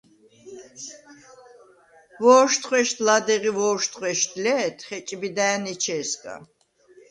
ვო̄შთხვე̄შდ ლადეღ ი ვო̄შთხვე̄შდ ლე̄თ ხეჭბიდა̄̈ნ ეჩე̄სგა.